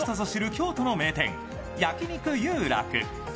京都の名店焼肉有楽。